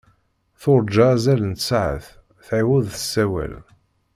Turǧa azal n tsaɛet tɛawed tessawel.